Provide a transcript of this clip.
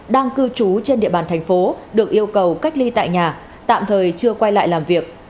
đang cư trú trên địa bàn thành phố được yêu cầu cách ly tại nhà tạm thời chưa quay lại làm việc